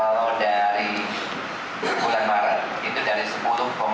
kalau dari bulan maret itu dari sepuluh delapan puluh enam persen ke sepuluh tujuh persen